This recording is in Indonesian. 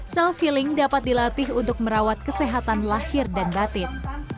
self feeling dapat dilatih untuk merawat kesehatan lahir dan batin